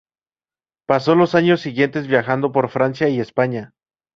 Pasó los años siguientes viajando por Francia y España.